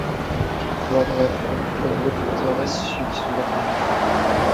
Lors de la Fronde, la nouvelle forteresse subit son baptême du feu.